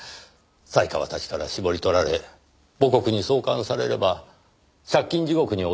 犀川たちから搾り取られ母国に送還されれば借金地獄に陥る人たちを。